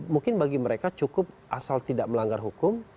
mungkin bagi mereka cukup asal tidak melanggar hukum